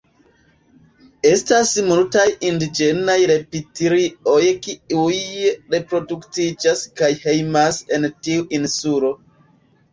Estas multaj indiĝenaj reptilioj kiuj reproduktiĝas kaj hejmas en tiu insulo.